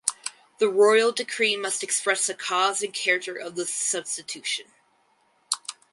The Royal Decree must express the cause and character of the substitution.